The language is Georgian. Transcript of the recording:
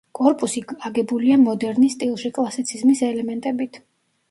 კორპუსი აგებულია მოდერნის სტილში კლასიციზმის ელემენტებით.